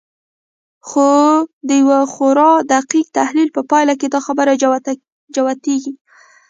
خو د يوه خورا دقيق تحليل په پايله کې دا خبره جوتېږي.